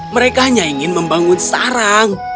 mereka hanya ingin membangun sarang